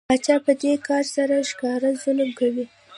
پاچا په دې کار سره ښکاره ظلم کوي.